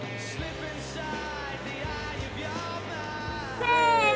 せの。